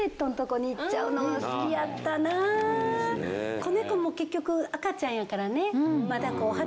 子猫も結局赤ちゃんやからね。